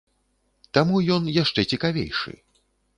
Таму ён яшчэ цікавейшы.